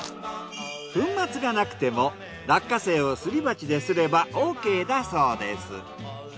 粉末がなくても落花生をすり鉢ですればＯＫだそうです。